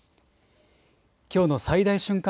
きょうの最大瞬間